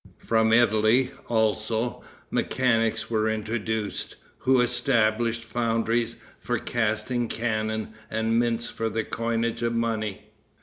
From Italy, also, mechanics were introduced, who established foundries for casting cannon, and mints for the coinage of money.